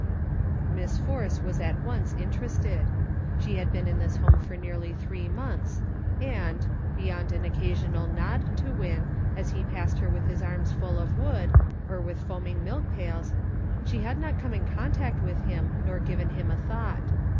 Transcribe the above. Miss Force was at once interested. She had ' been in this home for nearly three months ; and, beyond an occasional nod to Win as he passed her with his arms full of wood, or with foaming milk pails, she had not come in contact with him nor given him a thought.